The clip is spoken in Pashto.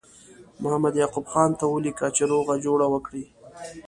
محمد یعقوب خان ته ولیکه چې روغه جوړه وکړي.